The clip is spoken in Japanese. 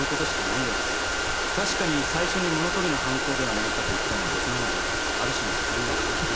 確かに最初に「物盗りの犯行」ではないかと言ったのは僕なのである種の責任は感じているんですが。